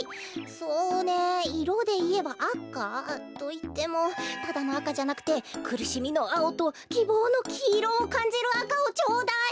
そうねいろでいえばあかといってもただのあかじゃなくてくるしみのあおときぼうのきいろをかんじるあかをちょうだい！